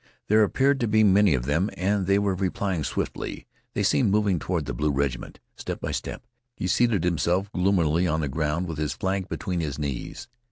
There appeared to be many of them and they were replying swiftly. They seemed moving toward the blue regiment, step by step. He seated himself gloomily on the ground with his flag between his knees.